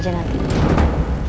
biar lebih wangi lagi